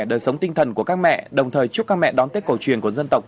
đời sống tinh thần của các mẹ đồng thời chúc các mẹ đón tết cổ truyền của dân tộc